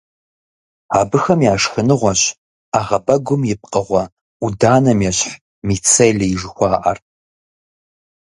Абыхэм я шхыныгъуэщ ӏэгъэбэгум и пкъыгъуэ, ӏуданэм ещхь, мицелий жыхуаӏэр.